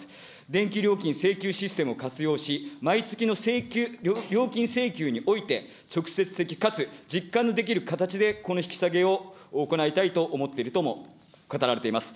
電気料金請求システムを活用し、毎月の請求、料金請求において、直接的かつ実感のできる形でこの引き下げを行いたいと思っているとも語られています。